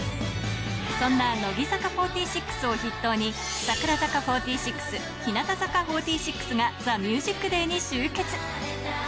そんな乃木坂４６を筆頭に、桜坂４６、日向坂４６がＴＨＥＭＵＳＩＣＤＡＹに集結。